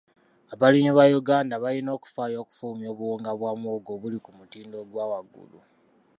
Abalimi ba Uganda balina okufaayo okufulumya obuwunga bwa muwogo obuli ku mutindo ogwa waggulu.